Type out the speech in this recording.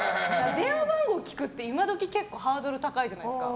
電話番号聞くって今時ハードル高いじゃないですか。